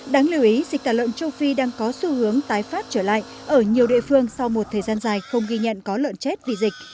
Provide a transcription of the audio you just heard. đáng lưu ý dịch tả lợn châu phi đang có xu hướng tái phát trở lại ở nhiều địa phương sau một thời gian dài không ghi nhận có lợn chết vì dịch